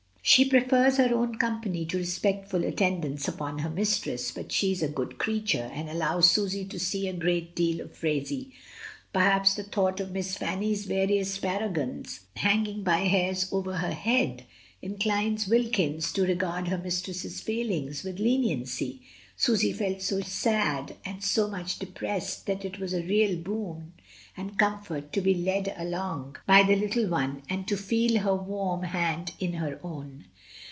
She prefers her own company to respectful attend ance upon her mistress, but she is a good creature, and allows Susy to see a great deal of Phraisie. Perhaps the thought of Miss Fanny's various para gons hanging by hairs over her head inclines Wilkins to regard her mistress's failings with leniency. Susy felt so sad and so much depressed that it was a real boon and comfort to be led along "TEIE COLONEL GOES HOME.*' 1 3 by the little one and to feel her warm hand in her own.